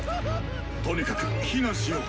とにかく避難しよう。